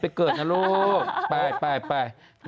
นะไปอีหรุดไปไป